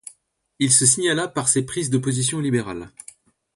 Il se signala par ses prises de position libérales.